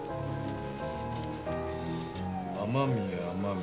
雨宮雨宮。